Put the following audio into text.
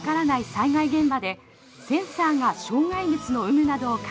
災害現場でセンサーが障害物の有無などを感知。